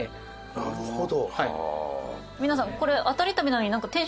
なるほど。